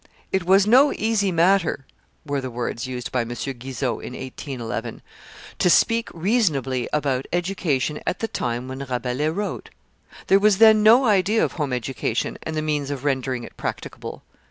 "It was no easy matter," were the words used by M. Guizot in 1811, "to speak reasonably about education at the time when Rabelais wrote. There was then no idea of home education and the means of rendering it practicable.